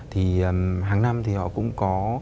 thì hàng năm thì họ cũng có